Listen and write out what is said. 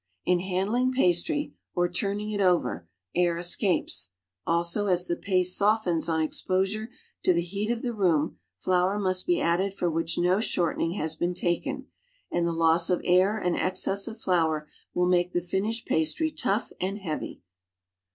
In handling pastry (or turning it over), air escapes; also as the paste softens on exposure to the heat of the room, flour must be added for which no shortening has lieen taken and the loss of air and excess of flour will make the finished pastry tough and heavy.